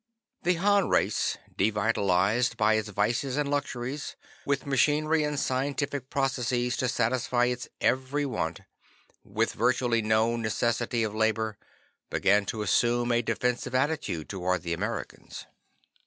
The Han race, devitalized by its vices and luxuries, with machinery and scientific processes to satisfy its every want, with virtually no necessity of labor, began to assume a defensive attitude toward the Americans.